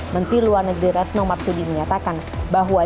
menteri luar negeri retno marsudi menyatakan bahwa